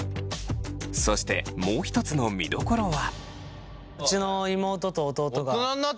そしてもう一つの見どころは。